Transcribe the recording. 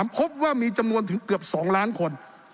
พบว่ามีจำนวนถึงเกือบ๒ล้านคน